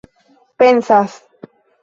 pensas